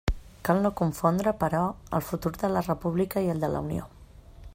Cal no confondre, però, el futur de la república i el de la Unió.